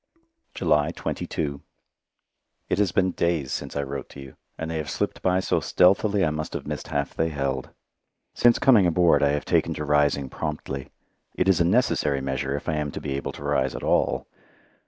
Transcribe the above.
July 22 It has been days since I wrote you, and they have slipped by so stealthily I must have missed half they held. Since coming aboard I have taken to rising promptly. It is a necessary measure if I am to be able to rise at all.